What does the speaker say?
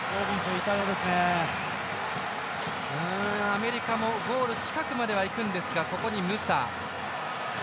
アメリカもゴール近くまではいくんですがここにムサ。